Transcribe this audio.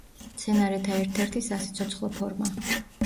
მცენარეთა ერთ-ერთი სასიცოცხლო ფორმა.